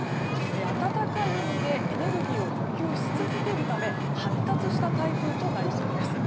暖かい海でエネルギーを補給し続けるため発達した台風となりそうです。